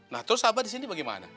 nah terus abah disini bagaimana